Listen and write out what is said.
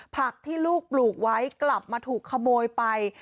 ผักที่ลูกปลูกไว้กลับมาถูกขโมยไป